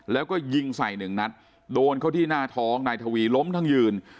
แล้วก็ยิงใส่หนึ่งนัดโดนเข้าที่หน้าท้องนายทวีล้มทั้งยืน